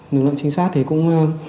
lực lượng trinh sát thì cũng